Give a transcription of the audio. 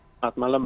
selamat malam mbak